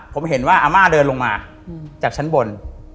ผมเห็นว่าอาม่าเดินลงมาจากชั้นบน